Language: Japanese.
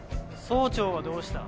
総長はどうした？